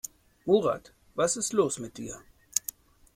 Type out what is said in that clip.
Murat, was ist los mit dir?